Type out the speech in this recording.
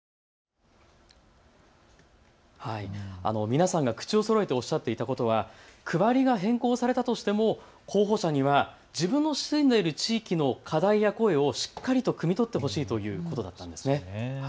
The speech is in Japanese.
皆さんが口をそろえておっしゃっていたことは区割りが変更されるとしても候補者には自分の地域の課題や声をしっかりとくみ取ってほしいということだそうです。